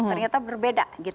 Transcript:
ternyata berbeda gitu